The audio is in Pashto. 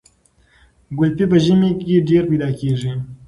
ګلپي په ژمي کې ډیر پیدا کیږي.